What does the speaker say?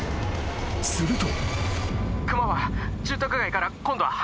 ［すると］